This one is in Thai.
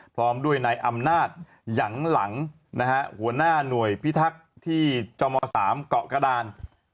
พร้อมด้วยนายอำนาจหยังหลังนะฮะหัวหน้าหน่วยพิทักษ์ที่จม๓เกาะกระดาน